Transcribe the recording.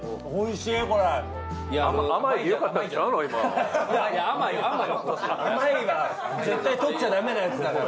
「甘い」は絶対取っちゃダメなやつだから。